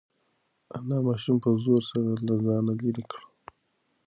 انا ماشوم په زور سره له ځانه لرې کړ.